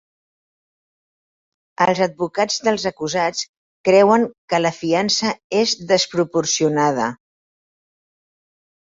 Els advocats dels acusats creuen que la fiança és desproporcionada